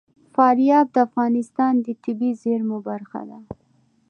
فاریاب د افغانستان د طبیعي زیرمو برخه ده.